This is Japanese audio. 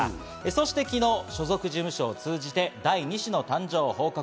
そして昨日、所属事務所を通じて第２子の誕生を報告。